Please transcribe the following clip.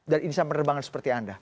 dan insan penerbangan seperti anda